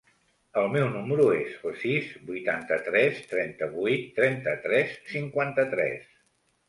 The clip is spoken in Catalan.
El meu número es el sis, vuitanta-tres, trenta-vuit, trenta-tres, cinquanta-tres.